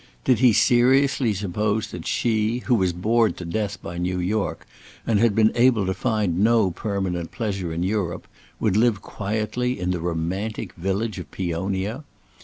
Did he seriously suppose that she, who was bored to death by New York, and had been able to find no permanent pleasure in Europe, would live quietly in the romantic village of Peonia?